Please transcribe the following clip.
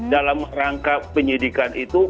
dalam rangka penyidikan itu